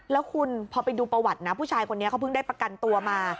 แล้วคุณพอไปดูประวัตินะผู้ชายคนนี้เขาเพิ่งได้ประกันตัวมา